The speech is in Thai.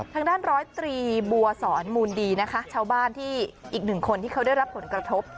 ทางด้านร้อยตรีบัวสอนมูลดีนะคะชาวบ้านที่อีกหนึ่งคนที่เขาได้รับผลกระทบ